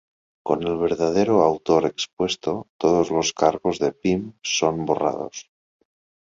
Con el verdadero autor expuesto, todos los cargos de Pym son borrados.